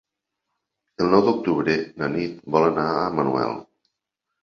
El nou d'octubre na Nit vol anar a Manuel.